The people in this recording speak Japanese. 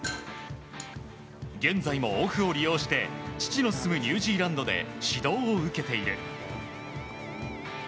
現在もオフを利用して父の住むニュージーランドで指導を受けている。